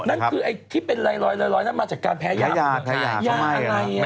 นั่นคือไอ้คลิปเป็นรอยมาจากการแพ้ยายาอะไร